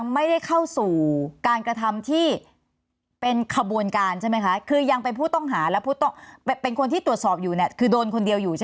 ไปอยู่ในขั้นตอนรวบรวมแล้วก็ยังรอหลักฐานกับหน่วยงานเกี่ยวข้องอยู่ค่ะ